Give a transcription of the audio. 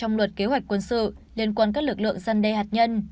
trong luật kế hoạch quân sự liên quan các lực lượng zenday hạt nhân